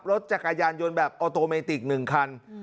รถจักรยานยนต์แบบออโตเมติก๑คัน